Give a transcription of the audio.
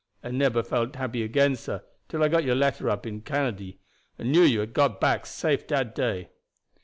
I neber felt happy again, sah, till I got your letter up in Canady, and knew you had got back safe dat day."